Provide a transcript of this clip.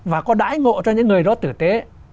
và có đãi ngộ cho những người đó tử tế